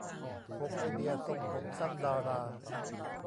หก ไอเดีย ทรงผมสั้นดารา